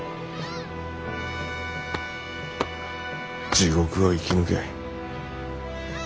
地獄を生き抜け。